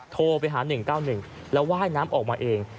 โทรไปหา๑๙๑แล้วว่ายน้ำออกมาเอง